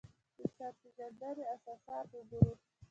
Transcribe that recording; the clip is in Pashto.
انسان پېژندنې اساسات وګورو.